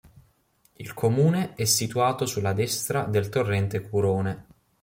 Il comune è situato sulla destra del torrente Curone.